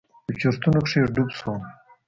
په چورتونو کښې ډوب سوم.